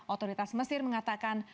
otoritas mesir mengatakan